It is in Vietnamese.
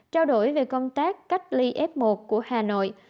trao đổi về công tác cách ly f một của hà nội